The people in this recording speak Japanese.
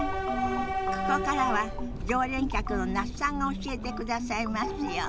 ここからは常連客の那須さんが教えてくださいますよ。